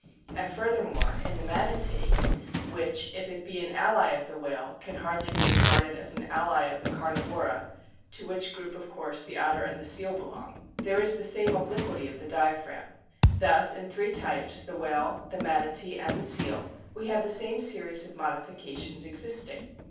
And, furthermore, in the Manatee, which, if it be an ally of the whale, can hardly be re garded as an ally of the carnivora (to which group, of course, the otter and the seal belong), there is the same obliquity of the diaphragm. Thus in three types, the whale, the manatee, and the seal, we have the same series of modifications existing